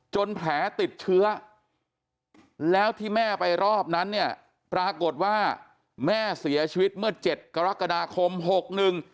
แผลติดเชื้อแล้วที่แม่ไปรอบนั้นเนี่ยปรากฏว่าแม่เสียชีวิตเมื่อเจ็ดกรกฎาคมหกหนึ่ง